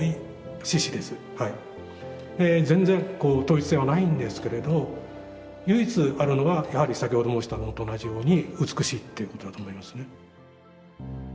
全然統一性はないんですけれど唯一あるのはやはり先ほど申したのと同じように美しいっていうことだと思いますね。